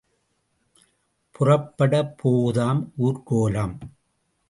புறப்படப் போகுதாம் ஊர்கோலம்.